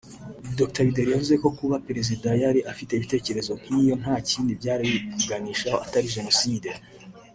Dr Bideri yavuze ko kuba Perezida yari afite ibitekerezo nk’iyo nta kindi byari kuganishaho atari Jenoside